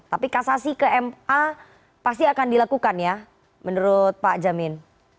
tapi kasasi ke ma pasti akan dilakukan ya menurut pak jamin